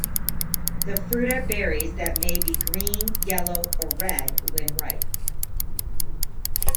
The fruit are berries that may be green, yellow or red when ripe.